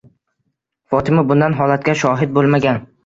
Fotima bunday holatga shohid bo'lmagan.